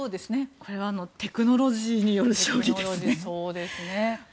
これはテクノロジーによる勝利ですね。